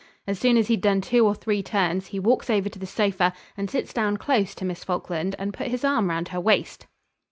As soon as he'd done two or three turns he walks over to the sofa and sits down close to Miss Falkland, and put his arm round her waist.